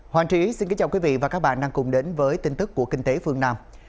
hoàng trí xin kính chào quý vị và các bạn đang cùng đến với tin tức của kinh tế phương nam